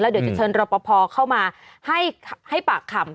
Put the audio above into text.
เดี๋ยวจะเชิญรอปภเข้ามาให้ปากคำ